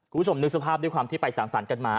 คุณผู้ชมนึกสภาพด้วยความที่ไปสั่งสรรค์กันมา